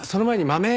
「豆？」